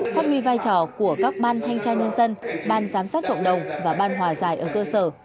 phát huy vai trò của các ban thanh tra nhân dân ban giám sát cộng đồng và ban hòa giải ở cơ sở